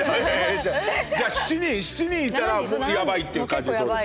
じゃあ７人７人いたらやばいっていう感じでどうですか。